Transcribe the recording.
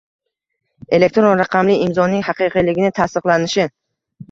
elektron raqamli imzoning haqiqiyligi tasdiqlanishini